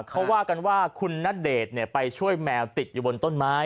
เขาว่ากันว่าคุณณเดชน์ไปช่วยแมวติดอยู่บนต้นไม้